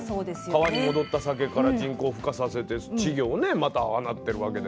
川に戻ったさけから人工ふ化させて稚魚をねまた放ってるわけで。